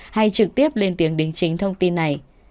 hay trực tiếp lên tiếng đính chính thông tin này